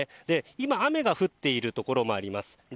今、雨が降っているところもあります。